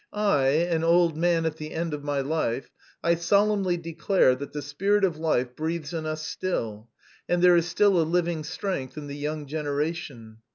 I, an old man at the end of my life, I solemnly declare that the spirit of life breathes in us still, and there is still a living strength in the young generation.